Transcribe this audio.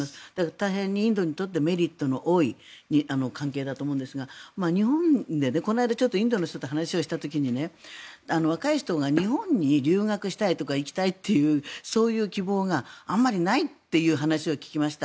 大変インドにとってメリットの多い関係だと思いますがこの間インドの人と話をした時に若い人が日本に留学したいとか行きたいというそういう希望があまりないという話を聞きました。